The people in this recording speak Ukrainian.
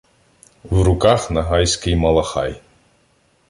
В руках нагайський малахай.